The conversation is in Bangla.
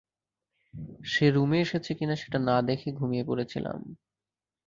সে রুমে এসেছে কিনা সেটা না দেখে ঘুমিয়ে পড়েছিলাম।